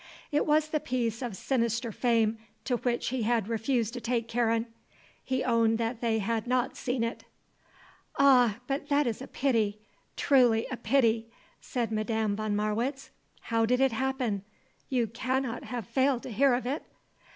It was the piece of sinister fame to which he had refused to take Karen. He owned that they had not seen it. "Ah, but that is a pity, truly a pity," said Madame von Marwitz. "How did it happen? You cannot have failed to hear of it."